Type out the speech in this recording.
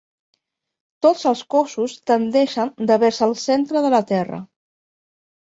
Tots els cossos tendeixen devers el centre de la Terra.